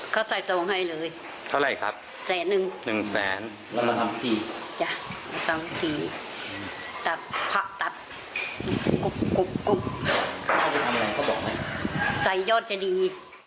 เขาจะทำไงเขาบอกไหมใส่ยอดจะดี